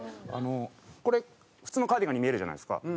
これ普通のカーディガンに見えるじゃないですか。